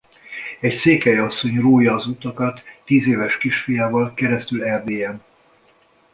Egy székely asszony rója az utakat tízéves kisfiával keresztül Erdélyen.